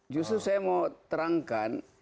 justru saya mau terangkan